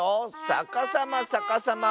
さかさまさかさま！